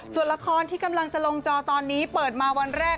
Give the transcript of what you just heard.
ส่วนละครที่กำลังจะลงจอตอนนี้เปิดมาวันแรก